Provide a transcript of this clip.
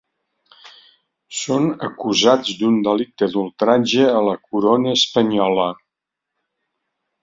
Són acusats d’un delicte d’ultratge a la corona espanyola.